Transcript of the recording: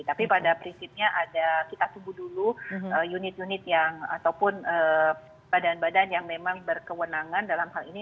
tapi pada prinsipnya ada kita tunggu dulu unit unit yang ataupun badan badan yang memang berkewenangan dalam hal ini